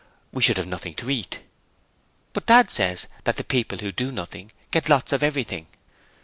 We should have nothing to eat.' 'But Dad says that the people who do nothing get lots of everything.'